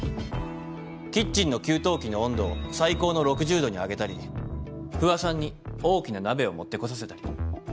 キッチンの給湯器の温度を最高の６０℃に上げたり不破さんに大きな鍋を持ってこさせたり。